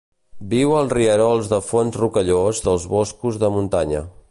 Viu als rierols de fons rocallós dels boscos de muntanya.